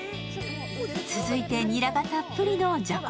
続いて、ニラがたっぷりのじゃこ